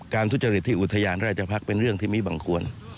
ทุจริตที่อุทยานราชพักษ์เป็นเรื่องที่มีบังควร